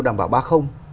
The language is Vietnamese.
đảm bảo ba không